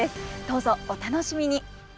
どうぞお楽しみに！